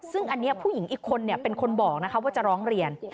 ซึ่งอันนี้ผู้หญิงอีกคนเป็นคนบอกว่าจะร้องเรียน